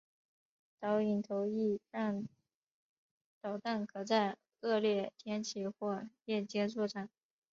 导引头亦让导弹可在恶劣天气或夜间作战。